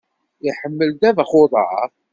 Iḥemmel ddabex uḍar.